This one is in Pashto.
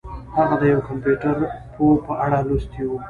هغه د یو کمپیوټر پوه په اړه لوستي وو